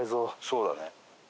そうだね。